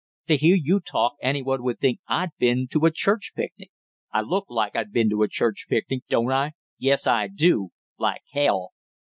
To hear you talk any one would think I'd been to a church picnic; I look like I'd been to a picnic, don't I? Yes, I do like hell!"